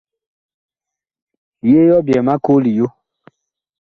Yee ɔ byɛɛ ma koo liyo ?